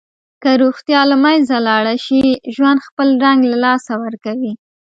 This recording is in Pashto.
که روغتیا له منځه لاړه شي، ژوند خپل رنګ له لاسه ورکوي.